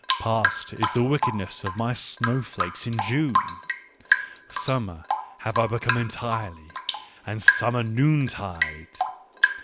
Past is the wickedness of my snowflakes in June ! Summer have I become entirely, and summer noon tide!